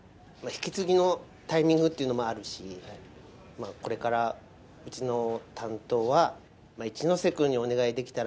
引き継ぎのタイミングっていうのもあるしこれからうちの担当は一ノ瀬くんにお願いできたらなと思って。